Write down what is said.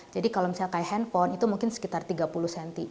jadi kalau misalnya kayak handphone itu mungkin sekitar tiga puluh cm